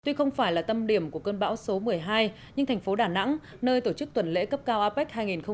tuy không phải là tâm điểm của cơn bão số một mươi hai nhưng thành phố đà nẵng nơi tổ chức tuần lễ cấp cao apec hai nghìn hai mươi